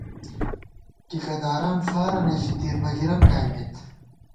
ٹِکہ داران فارَنہ ژِی ، دیر بَگِرَن گائیمېت